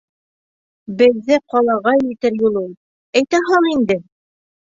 Беҙҙе ҡалаға илтер юл ул. — Әйтә һал инде...